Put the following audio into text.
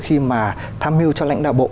khi mà tham mưu cho lãnh đạo bộ